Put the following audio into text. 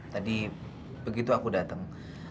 tadi begitu aku datang